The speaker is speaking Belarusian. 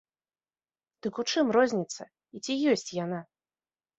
Дык у чым розніца, і ці ёсць яна?